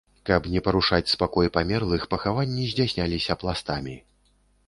Каб не парушаць супакой памерлых, пахаванні здзяйсняліся пластамі.